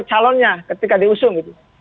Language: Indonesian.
bagaimana track record calonnya ketika diusung gitu